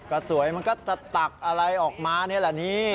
ก็สวยมันก็จะตักอะไรออกมานี่แหละนี่